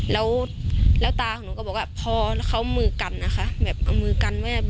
แล้วแล้วตาของหนูก็บอกอ่ะพอเขามือกันอ่ะค่ะแบบเอามือกันแบบ